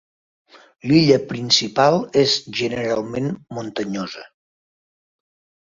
L'illa principal és generalment muntanyosa.